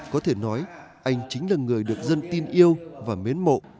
có thể nói anh chính là người được dân tin yêu và mến mộ